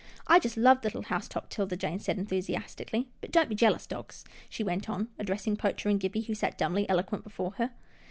" I just love little Housetop," 'Tilda Jane said enthusiastically, " but don't be jealous, dogs," she went on, addressing Poacher and Gippie who sat dumbly eloquent before her.